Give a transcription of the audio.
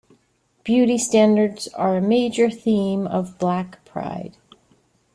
Beauty standards are a major theme of black pride.